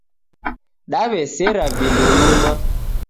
Dawesera vindo luma.